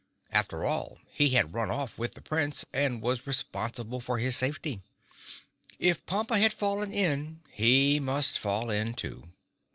After all, he had run off with the Prince and was responsible for his safety. If Pompa had fallen in he must fall in too.